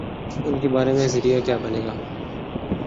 ان کے بارے میں ذریعہ کیا بنے گا؟